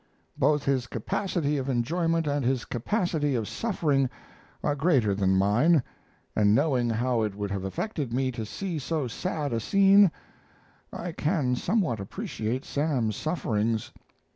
Both his capacity of enjoyment and his capacity of suffering are greater than mine; and knowing how it would have affected me to see so sad a scene, I can somewhat appreciate Sam's sufferings.